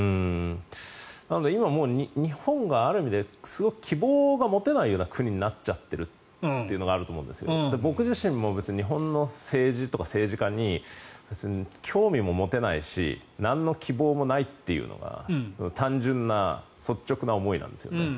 今、日本がある意味ですごく希望が持てない国になっちゃっているというのがあって僕自身も別に日本の政治とか政治家に興味も持てないしなんの希望もないというのが単純な率直な思いなんですよね。